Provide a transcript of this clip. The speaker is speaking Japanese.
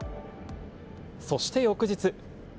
そして翌日。